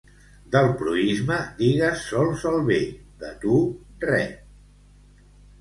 Del proïsme digues sols el bé; de tu, res.